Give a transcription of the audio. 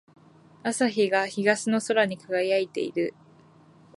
朝日が東の空に輝いている。